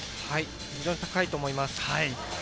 非常に高いと思います。